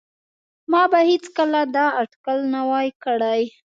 ما به هیڅکله دا اټکل نه وای کړی